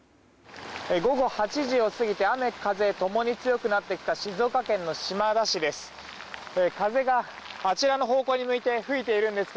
午後８時を過ぎて雨風、共に強くなってきた静岡県の島田市です。